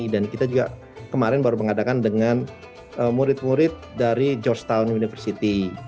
dan kita juga kemarin baru mengadakan dengan murid murid dari georgetown university